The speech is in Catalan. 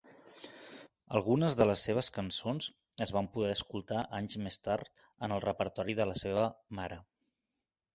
Algunes de les seves cançons es van poder escoltar anys més tard en el repertori de la seva mare.